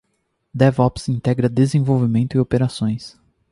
DevOps integra desenvolvimento e operações.